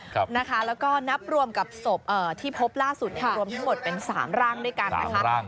แล้วก็นับรวมกับศพที่พบล่าสุดรวมทั้งหมดเป็น๓ร่างด้วยกันนะคะ